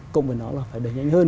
cộng với nó là phải đẩy nhanh hơn